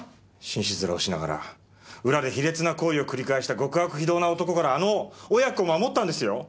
紳士面をしながら裏で卑劣な行為を繰り返した極悪非道な男からあの親子を守ったんですよ！